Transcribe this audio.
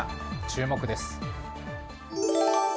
注目です。